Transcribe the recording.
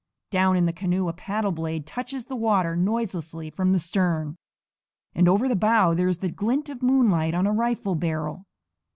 Down in the canoe a paddle blade touches the water noiselessly from the stern; and over the bow there is the glint of moonlight on a rifle barrel.